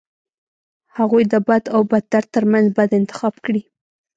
هغوی د بد او بدتر ترمنځ بد انتخاب کړي.